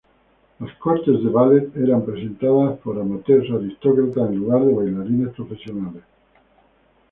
Las cortes de ballet eran presentados por amateurs aristócratas en lugar de bailarines profesionales.